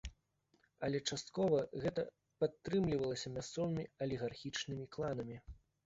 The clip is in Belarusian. Але часткова гэта падтрымлівалася мясцовымі алігархічнымі кланамі.